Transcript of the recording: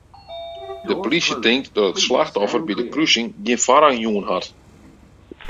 De plysje tinkt dat it slachtoffer by de krusing gjin foarrang jûn hat.